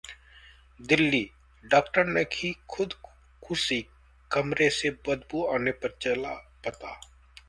Delhi doctor ने की खुदकुशी, कमरे से बदबू आने पर चला पता